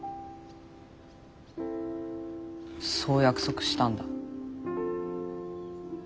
そう約束したんだ。